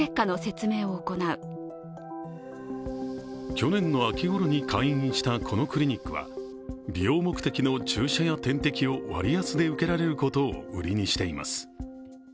去年の秋ごろに開院したこのクリニックは、美容目的の注射や点滴を割安で受けられることを売りにしています。